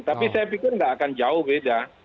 tapi saya pikir nggak akan jauh beda